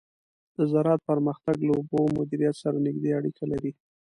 د زراعت پرمختګ له اوبو مدیریت سره نږدې اړیکه لري.